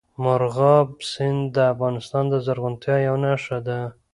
مورغاب سیند د افغانستان د زرغونتیا یوه نښه ده.